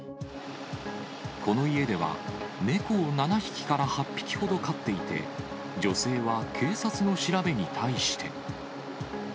この家では、猫を７匹から８匹ほど飼っていて、女性は警察の調べに対して。